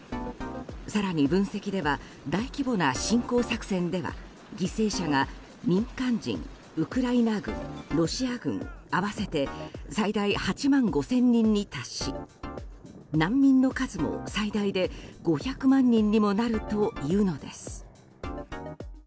更に分析では大規模な侵攻作戦では犠牲者が、民間人ウクライナ軍、ロシア軍合わせて最大８万５０００人に達し難民の数も、最大で５００万人にもなるというのです。